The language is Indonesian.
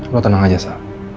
lo tenang aja sa